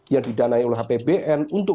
yang didanai oleh apbn untuk